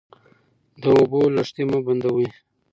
د اوبو لښتې مه بندوئ.